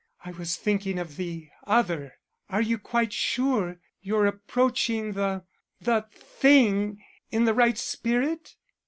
"I was thinking of the other. Are you quite sure you're approaching the the thing, in the right spirit?"